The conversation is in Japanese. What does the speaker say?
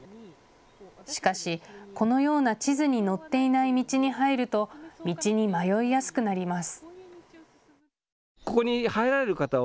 しかし、このような地図に載っていない道に入ると道に迷いやすくなります。